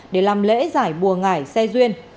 để làm lễ giải buồn ngại xe duyên